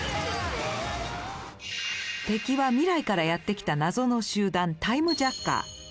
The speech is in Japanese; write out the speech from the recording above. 敵は未来からやって来た謎の集団タイムジャッカー。